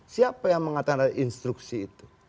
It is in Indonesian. siapa yang mengatakan ada instruksi itu